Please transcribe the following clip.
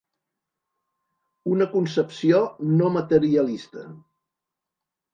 Una concepció no materialista.